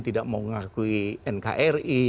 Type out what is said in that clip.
tidak mau mengakui nkri